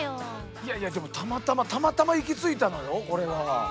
いやいやでもたまたまたまたま行き着いたのよこれは。